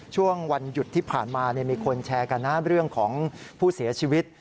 ช่วงวันหยุดที่ผ่านมามีคนแชร์กันนะเรื่องของผู้เสียชีวิต